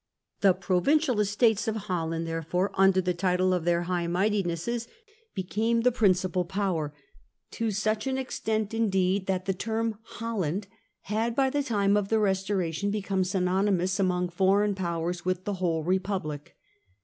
The Provincial Estates of Holland, therefore, under the title of 'Their High i66o. The Dutch Republic. 1 1 1 Mightinesses,* became the principal power— to such an extent, indeed, that the term 4 Holland * had by the time Tohn de of the Restoration become synonymous among the House foreign powers with the whole Republic.